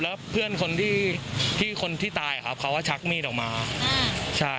แล้วเพื่อนคนที่คนที่ตายครับเขาก็ชักมีดออกมาใช่